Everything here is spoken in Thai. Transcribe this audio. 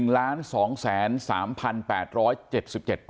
๑ล้าน๒แสน๓พัน๘ร้อย